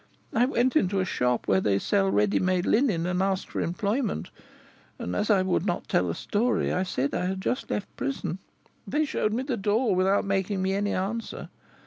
I went into a shop where they sell ready made linen, and asked for employment, and as I would not tell a story, I said I had just left prison. They showed me the door, without making me any answer.